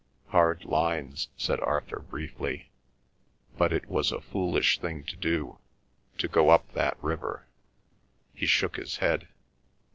"Hard lines," said Arthur briefly. "But it was a foolish thing to do—to go up that river." He shook his head.